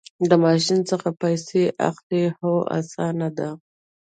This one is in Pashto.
د ماشین څخه پیسې اخلئ؟ هو، اسانه ده